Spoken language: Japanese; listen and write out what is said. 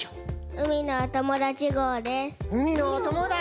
うみのおともだちごう！